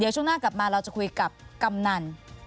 ช่วงหน้ากลับมาเราจะคุยกับกำนัน